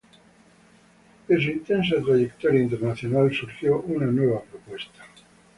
De su intensa trayectoria internacional surgió una nueva propuesta.